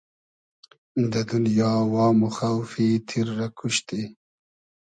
دۂ دونیا وام و خۆفی تیر رۂ کوشتی